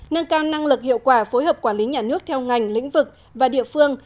nâng cao năng lực hiệu quả phối hợp quản lý nhà nước theo ngành lĩnh vực và địa phương